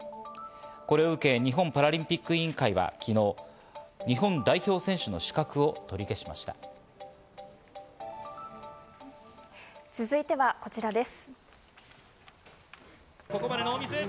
これを受け日本パラリンピック委員会は昨日日本代表選手の資格を続いてはこちらです。